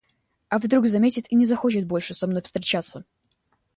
А вдруг заметит и не захочет больше со мной встречаться.